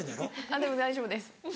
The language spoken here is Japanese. あっでも大丈夫です。